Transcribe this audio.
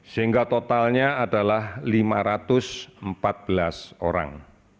sehingga totalnya adalah lima ratus empat belas orang